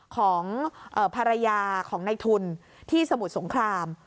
ของภรรยาของในทุนที่สมุทรสงคราม